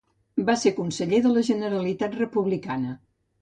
Va ser conseller de la Generalitat republicana.